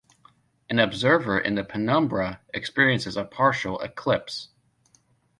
An observer in the penumbra experiences a partial eclipse.